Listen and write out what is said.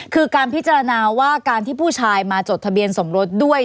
คือการพิจารณาว่าการที่ผู้ชายมาจดทะเบียนสมรสด้วย